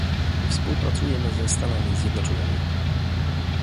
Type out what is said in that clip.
Współpracujemy ze Stanami Zjednoczonymi